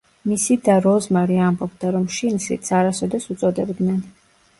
მისი და როზმარი ამბობდა, რომ შინ სიდს არასოდეს უწოდებდნენ.